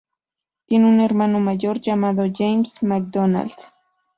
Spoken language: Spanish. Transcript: Tiene un hermano mayor llamado, James McDonald.